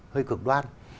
hơi cực đoan